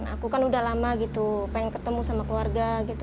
aku kan udah lama gitu pengen ketemu sama keluarga gitu